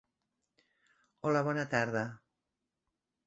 Hola, bona tarda.